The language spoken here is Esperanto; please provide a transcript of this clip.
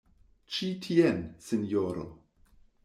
Ĉi tien, sinjoro!